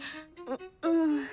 ううん。